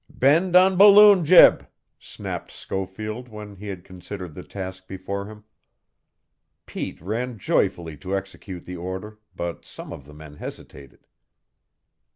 "Bend on balloon jib!" snapped Schofield when he had considered the task before him. Pete ran joyfully to execute the order, but some of the men hesitated.